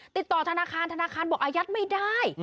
ติดต่อธนาคารธนาคารบอกอายัดไม่ได้